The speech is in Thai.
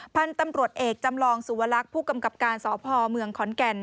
พันธุ์ตำรวจเอกจำลองสุวรรคผู้กำกับการสพเมืองขอนแก่น